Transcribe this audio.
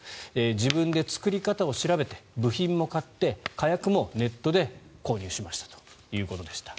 自分で作り方を調べて部品も買って火薬もネットで購入しましたということでした。